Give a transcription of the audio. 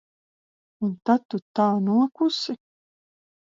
Un tad tu tā nokusi?